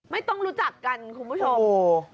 ไม่ต้องรู้จักกันคุณผู้ชม